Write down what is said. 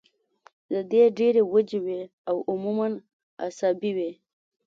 د دې ډېرې وجې وي او عموماً اعصابي وي